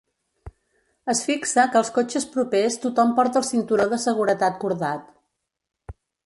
Es fixa que als cotxes propers tothom porta el cinturó de seguretat cordat.